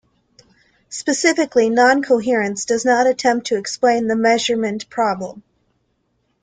Specifically, decoherence does not attempt to explain the measurement problem.